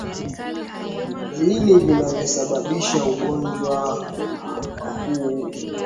Viini vinavyosababisha ugonjwa huu hupitishwa na kupe hasa wenye rangi nyingi